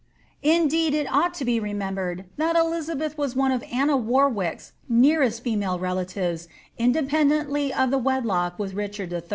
Indeed, it ought to be remem* bered that Elizabeth was one of Anne of Warwick's nearest female rela tives independently of the wedlock with Richard III.